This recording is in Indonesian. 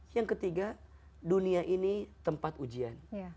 yang ketiga dunia ini tempat ujian